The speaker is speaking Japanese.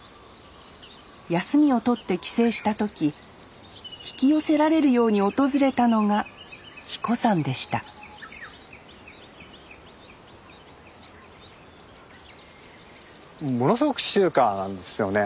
休みを取って帰省した時引き寄せられるように訪れたのが英彦山でしたものすごく静かなんですよね。